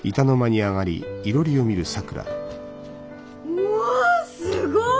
うわすごい！